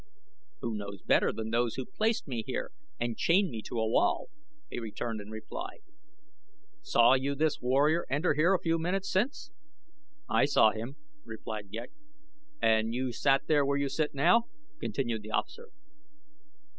"Who knows better than those who placed me here and chained me to a wall?" he returned in reply. "Saw you this warrior enter here a few minutes since?" "I saw him," replied Ghek. "And you sat there where you sit now?" continued the officer.